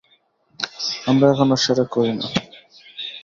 আমরা এখন আর সেটা করি না।